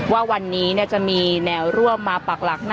ว่าวันนี้จะมีแนวร่วมมาปักหลัก